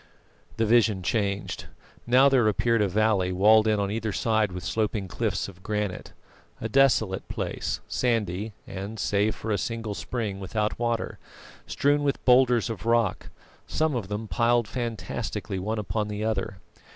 The vision changed. Now there appeared a valley walled in on either side with sloping cliffs of granite; a desolate place, sandy and, save for a single spring, without water, strewn with boulders of rock, some of them piled fantastically one upon the other.